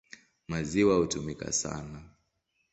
Maziwa hutumika sana.